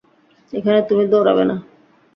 এখানে তুমি দৌড়াবে না!